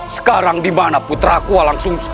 sekarang dimana putra ku walang sung sang